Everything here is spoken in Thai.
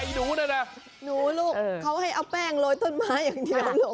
หนูลูกเขาให้เอาแป้งลอยต้นไม้อย่างเดียวโลก